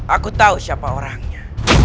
aku tahu siapa orangnya